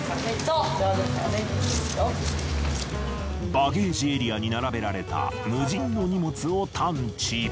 バゲージエリアに並べられた無人の荷物を探知。